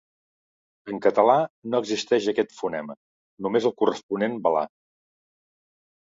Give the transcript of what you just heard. En català no existeix aquest fonema, només el corresponent velar.